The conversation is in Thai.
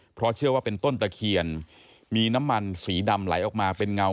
เพราะเชื่อว่าเป็นต้นตะเคียนมีน้ำมันสีดำไหลออกมาเป็นเงา